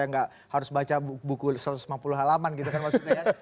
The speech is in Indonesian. nggak harus baca buku satu ratus lima puluh halaman gitu kan maksudnya kan